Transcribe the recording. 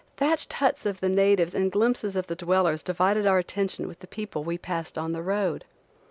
Thatched huts of the natives and glimpses of the dwellers divided our attention with the people we passed on the road.